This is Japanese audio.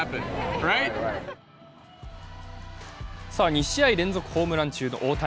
２試合連続ホームラン中の大谷。